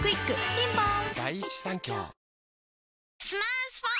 ピンポーン